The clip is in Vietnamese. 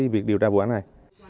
việc điều tra vụ án này